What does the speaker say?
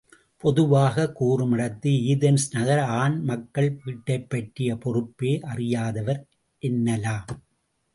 பொதுவாகக் கூறுமிடத்து ஏதென்ஸ் நகர் ஆண் மக்கள் வீட்டைப்பற்றிய பொறுப்பே அறியாதவர் என்னலாம்.